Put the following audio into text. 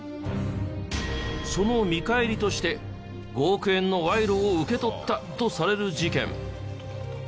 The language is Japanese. その見返りとして５億円の賄賂を受け取ったとされる事件。